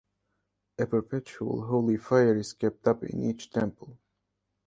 A perpetual holy fire is kept up in each temple.